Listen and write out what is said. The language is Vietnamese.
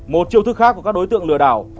một chiêu thức khác của các đối tượng lừa đảo